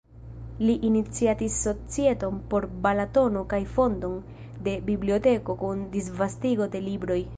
Li iniciatis societon por Balatono kaj fondon de biblioteko kun disvastigo de libroj.